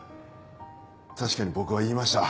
確かに僕は言いました。